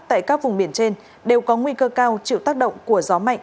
tại các vùng biển trên đều có nguy cơ cao chịu tác động của gió mạnh